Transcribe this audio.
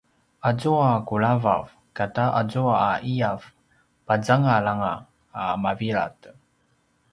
azua a kulavav kata azua a ’iyav pazangalanga a mavilad